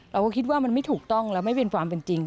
เราก็คิดว่ามันไม่ถูกต้องแล้วไม่เป็นความเป็นจริง